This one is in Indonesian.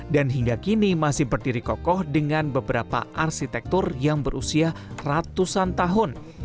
hingga kini masih berdiri kokoh dengan beberapa arsitektur yang berusia ratusan tahun